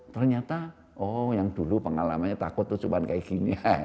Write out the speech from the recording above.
ternyata oh yang dulu pengalamannya takut tuh cuma kayak gini